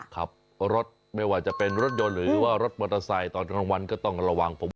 ขับรถไม่ว่าจะเป็นรถยนต์หรือว่ารถมอเตอร์ไซค์ตอนกลางวันก็ต้องระวัง